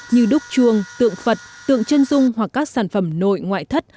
như đúc chuông tượng phật tượng chân dung hoặc các sản phẩm nội ngoại thất